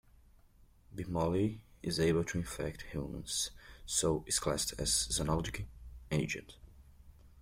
"B. mallei" is able to infect humans, so is classed as a zoonotic agent.